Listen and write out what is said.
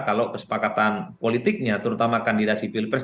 kalau kesepakatan politiknya terutama kandidat sipil pres